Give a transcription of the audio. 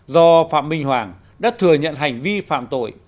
do phạm minh hoàng đã thừa nhận hành vi phạm tội